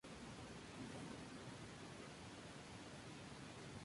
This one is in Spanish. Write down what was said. De niño Alan Parsons mostró un gran talento musical.